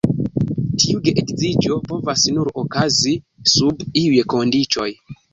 Tiu geedziĝo povas nur okazi sub iuj kondiĉoj.